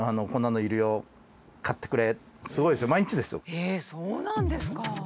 へえそうなんですか！